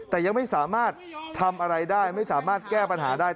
แต่ยังไม่สามารถทำอะไรได้ไม่สามารถแก้ปัญหาได้